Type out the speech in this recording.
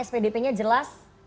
spdp nya jelas